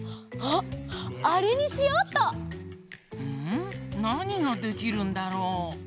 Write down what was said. なにができるんだろう？